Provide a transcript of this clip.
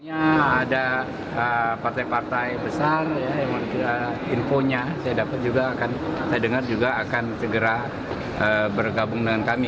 ada partai partai besar yang memiliki infonya saya dengar juga akan segera bergabung dengan kami